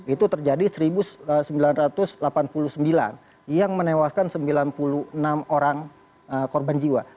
itu terjadi seribu sembilan ratus delapan puluh sembilan yang menewaskan sembilan puluh enam orang korban jiwa